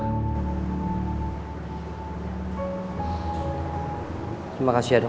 terima kasih ya dok